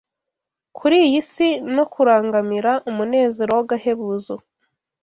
kuri iyi si no kurangamira umunezero w’agahebuzo